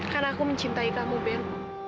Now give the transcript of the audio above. karena aku mencintai kamu ben